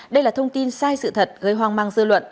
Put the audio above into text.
đây là thông tin sai sự thật gây hoang mang dư luận